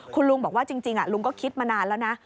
คุณลุงบอกว่าจริงลุงก็คิดมานานแล้วนะ